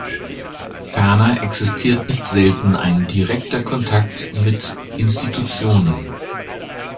Ferner existiert nicht selten ein direkter Kontakt mit Institutionen.